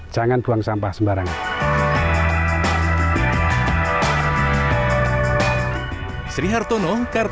jangan buang sampah sembarangan